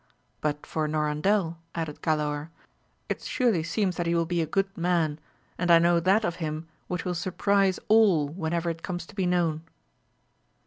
But for Norandel, added Galaor, it surely seems that he will be a good man, and I know that of him which will surprize all whenever it comes to be known.